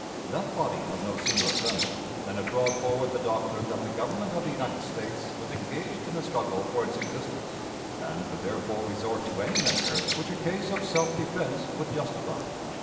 That body had no sooner assembled than it brought forward the doctrine that the Government of the United States was engaged in a struggle for its existence, and could therefore resort to any measure which a case of self defense would justify.